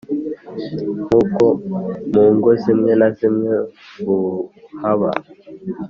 nk’uko mu ngo zimwe na zimwe buhaba